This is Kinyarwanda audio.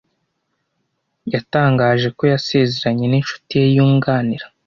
Yatangaje ko yasezeranye ninshuti ye yunganira.